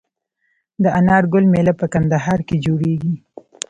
د انار ګل میله په کندهار کې جوړیږي.